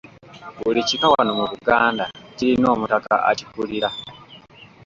Buli kika wano mu Buganda kirina omutaka akikulira.